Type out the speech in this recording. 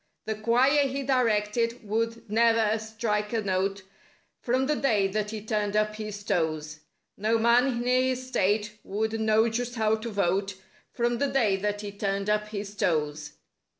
The choir he "directed" would ne'er strike a note— From the day that he turned up his toes. No man in his state would know just how to vote— From the day that he turned up his toes.